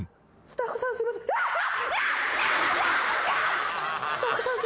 スタッフさんすいません。